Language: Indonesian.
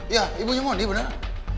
iya ibunya mondi bener